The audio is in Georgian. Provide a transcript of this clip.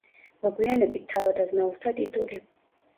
მოგვიანებით თავადაზნაურთა ტიტული.